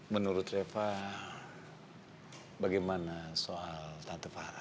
menurut reva bagaimana soal tante farah